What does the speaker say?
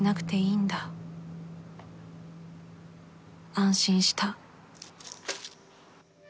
安心した